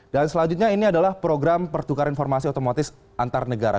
dan selanjutnya ini adalah program pertukar informasi otomatis antar negara